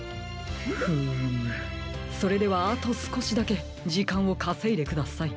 フームそれではあとすこしだけじかんをかせいでください。